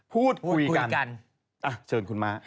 พูดคุยกันเชิญคุณม้า